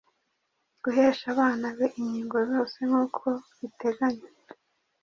guhesha abana be inkingo zose nk’uko ziteganywa